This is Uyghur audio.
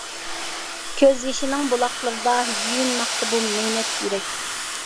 كۆز يېشىنىڭ بۇلاقلىرىدا يۇيۇنماقتا بۇ مەينەت يۈرەك.